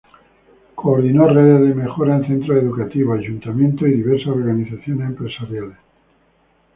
Coordinó redes de mejora en Centros educativos, Ayuntamientos y diversas Organizaciones empresariales.